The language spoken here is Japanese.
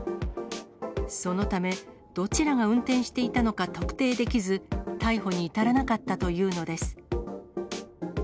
そのため、どちらが運転していたのか特定できず、逮捕に至らなかったというのです。